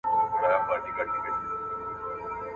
هغه دولتونه چي منظم قانون نه لري ډېر ژر کمزوري کېږي.